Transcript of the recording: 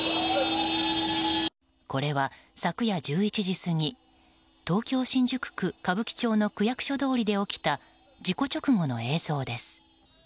これは昨夜１１時過ぎ東京・新宿区歌舞伎町の区役所通りで起きた事故直後の映像です。